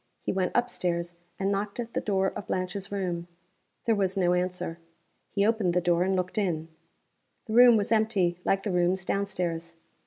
He went up stairs, and knocked at the door of Blanche's room. There was no answer. He opened the door and looked in. The room was empty, like the rooms down stairs.